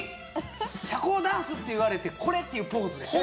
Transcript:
社交ダンスっていわれてこれっていうポーズですね